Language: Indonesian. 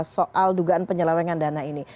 soal dugaan penyelewengan dana ini